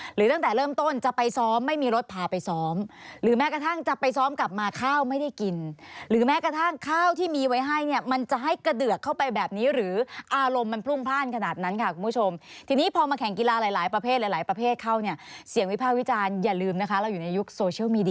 หรือตั้งแต่เริ่มต้นจะไปซ้อมไม่มีรถพาไปซ้อมหรือแม้กระทั่งจะไปซ้อมกลับมาข้าวไม่ได้กินหรือแม้กระทั่งข้าวที่มีไว้ให้เนี่ยมันจะให้กระเดือกเข้าไปแบบนี้หรืออารมณ์มันพรุ่งพลาดขนาดนั้นค่ะคุณผู้ชมทีนี้พอมาแข่งกีฬาหลายหลายประเภทหลายหลายประเภทเข้าเนี่ยเสียงวิภาควิจารณ์อย่าลืมนะคะเราอยู่ในยุคโซเชียลมีดี